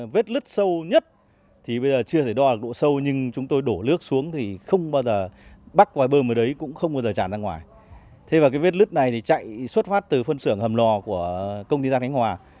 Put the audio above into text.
vất nứt này chạy xuất phát từ phân xưởng hầm lò của công ty than khánh hòa